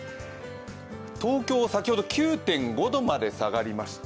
東京、先ほど９．５度まで下がりました。